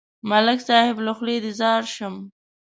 ملک صاحب، له خولې دې ځار شم.